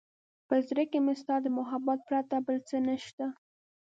په زړه کې مې ستا د محبت پرته بل څه نشته.